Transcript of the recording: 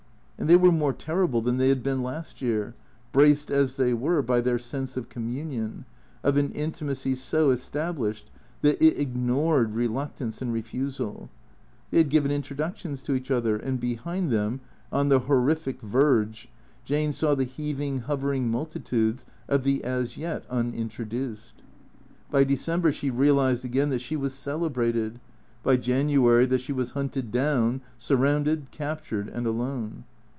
And they were more terrible than they had been last year, braced as they were by their sense of communion, of an intimacy so established that it ignored reluctance and refusal. They had given introductions to each other, and behind them, on the hor rific verge, Jane saw the heaving, hovering multitudes of the as yet unintroduced. By December she realized again that she was celebrated; by January that she was hunted down, surrounded, captured, and alone.